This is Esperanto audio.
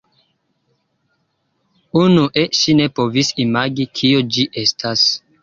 Unue ŝi ne povis imagi kio ĝi estas.